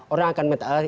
orang akan mengatakan